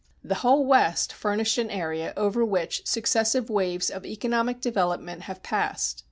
The whole West furnished an area over which successive waves of economic development have passed.